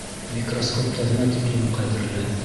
Микроскоптарына тиклем ҡәҙерле.